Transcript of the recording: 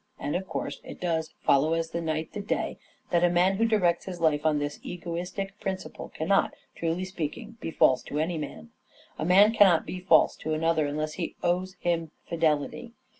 And, of course, it does " follow as the night the day " that a man who directs his life on this egoistic principle cannot, truly speaking, be false to any man. A man cannot be false to another unless he owes him fidelity.